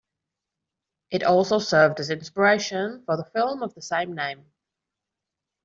It also served as inspiration for the film of the same name.